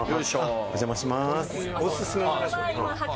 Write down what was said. お邪魔します。